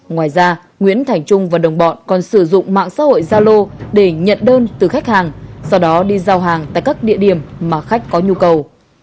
ngoài ra nguyễn thành trung và đồng bọn còn sử dụng mạng xã hội gia lô để nhận đơn từ khách hàng sau đó đi giao hàng tại các địa điểm mà khách có nhu cầu